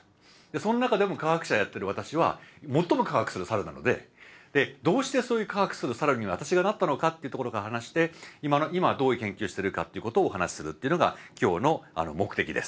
その中でも科学者やってる私は最も「科学する猿」なのでどうしてそういう「科学する猿」に私がなったのかってところから話して今はどういう研究してるかっていうことをお話しするっていうのが今日の目的です。